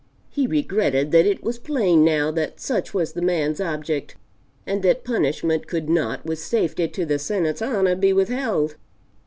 He regretted that it was plain, now, that such was the man's object and that punishment could not with safety to the Senate's honor be withheld.